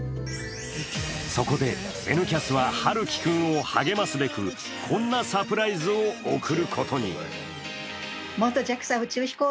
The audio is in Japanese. そこで「Ｎキャス」は陽生君を驚かすべく、こんなサプライズを贈ることに。